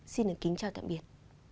xin kính chào tạm biệt